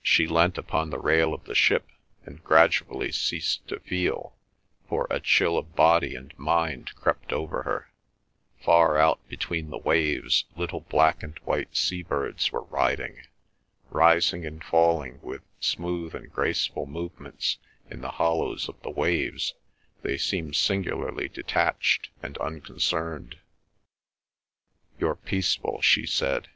She leant upon the rail of the ship, and gradually ceased to feel, for a chill of body and mind crept over her. Far out between the waves little black and white sea birds were riding. Rising and falling with smooth and graceful movements in the hollows of the waves they seemed singularly detached and unconcerned. "You're peaceful," she said.